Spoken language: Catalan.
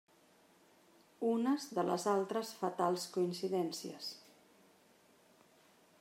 Unes de les altres fatals coincidències.